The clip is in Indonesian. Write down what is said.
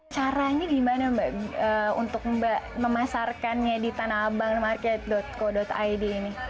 cara ini bagaimana untuk memasarkannya di tanahabangmarket co id